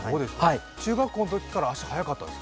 中学校のときから足速かったですか？